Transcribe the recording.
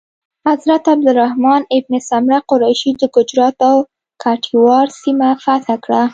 حضرت عبدالرحمن بن سمره قریشي د ګجرات او کاټیاواړ سیمه فتح کړه.